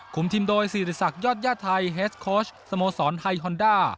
คุมทิมโดยศิริษัทยอดย่าไทยเฮสโคชสโมสรไทยฮอนด้า